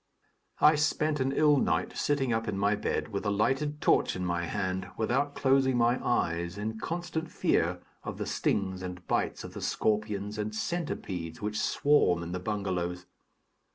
I spent an ill night, sitting up in my bed, with a lighted torch in my hand, without closing my eyes, in constant fear of the stings and bites of the scorpions and centipedes which swarm in the bengalows.